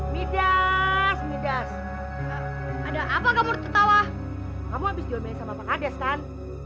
midas midas ada apa kamu tertawa kamu habis jual belajar sama pak hades kan